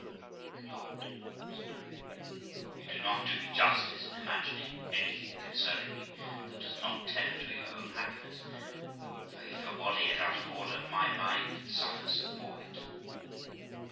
'My lord', said I, 'you do not do me justice in imagining anything concerning me that does not tend to your own happiness, for, if your body is out of order, my mind suffers for it.'